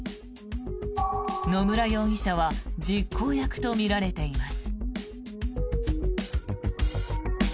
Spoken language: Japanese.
野村容疑者は実行役とみられています。